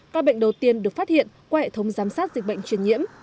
các bệnh đầu tiên được phát hiện qua hệ thống giám sát dịch bệnh truyền nhiễm